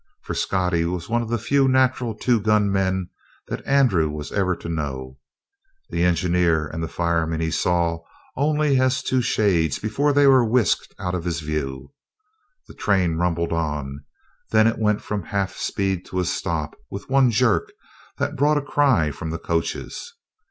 For Scottie was one of the few natural two gun men that Andrew was ever to know. The engineer and the fireman he saw only as two shades before they were whisked out of his view. The train rumbled on; then it went from half speed to a stop with one jerk that brought a cry from the coaches.